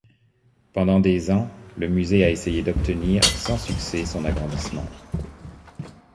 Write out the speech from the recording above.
Pendant des ans, le musée a essayé d'obtenir, sans succès, son agrandissement.